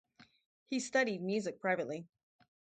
He studied music privately.